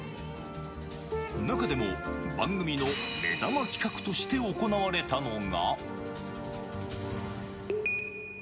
中でも、番組の目玉企画として行われたのが。